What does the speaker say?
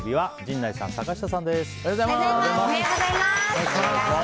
本日月曜日、月曜日は陣内さん、坂下さんです。